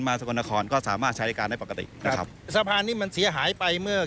สกลนครก็สามารถใช้ในการได้ปกตินะครับสะพานนี้มันเสียหายไปเมื่อ